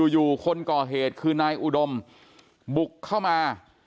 อยู่คนก่อเหตุคือนายอุดมบุกเข้ามา